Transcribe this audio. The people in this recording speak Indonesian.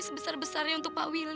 sebesar besarnya untuk pak willy